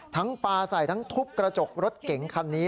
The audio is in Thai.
ปลาใส่ทั้งทุบกระจกรถเก๋งคันนี้